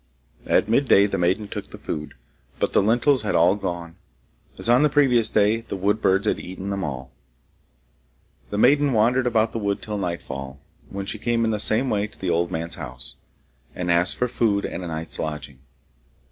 At midday the maiden took the food, but the lentils had all gone; as on the previous day, the wood birds had eaten them all. The maiden wandered about the wood till nightfall, when she came in the same way to the old man's house, and asked for food and a night's lodging.